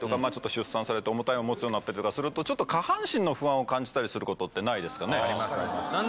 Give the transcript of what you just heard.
出産されて重たい物持つようになったりすると下半身の不安を感じたりすることってないですかね？